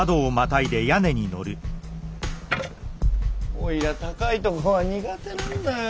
おいら高いとこは苦手なんだよ。